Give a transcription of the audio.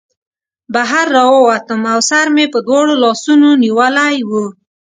بهر راووتم او سر مې په دواړو لاسونو نیولی و